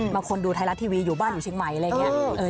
ดูไทยรัฐทีวีอยู่บ้านอยู่เชียงใหม่อะไรอย่างนี้